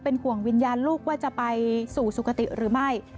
ห่วงวิญญาณลูกว่าจะไปสู่สุขติหรือไม่